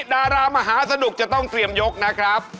ดารามหาสนุกจะต้องเตรียมยกนะครับ